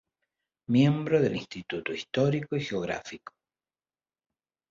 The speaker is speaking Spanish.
Miembro del Instituto Histórico y Geográfico.